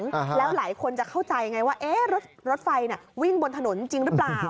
แล้วหลายคนจะเข้าใจอย่างไรว่ารถไฟวิ่งบนถนนจริงหรือเปล่า